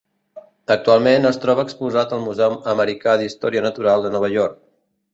Actualment, es troba exposat al Museu Americà d'Història Natural de Nova York.